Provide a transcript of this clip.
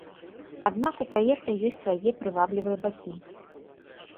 Аднак у праекта ёсць свае прываблівыя бакі.